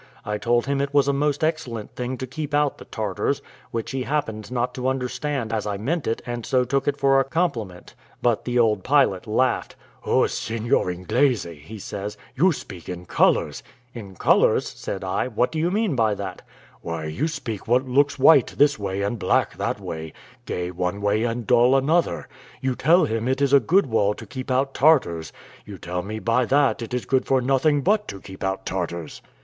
I told him it was a most excellent thing to keep out the Tartars; which he happened not to understand as I meant it and so took it for a compliment; but the old pilot laughed! "Oh, Seignior Inglese," says he, "you speak in colours." "In colours!" said I; "what do you mean by that?" "Why, you speak what looks white this way and black that way gay one way and dull another. You tell him it is a good wall to keep out Tartars; you tell me by that it is good for nothing but to keep out Tartars.